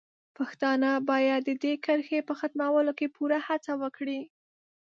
پښتانه باید د دې کرښې په ختمولو کې پوره هڅه وکړي.